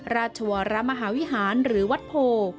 ราชวรมหาวิหารหรือวัดโพ